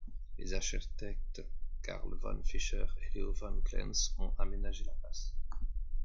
Les architectes Karl von Fischer et Leo von Klenze ont aménagé la place.